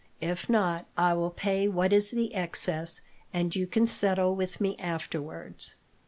If not, I will pay what is the excess, and you can settle with me afterwards."